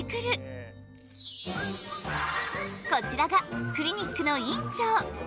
こちらがクリニックの院長。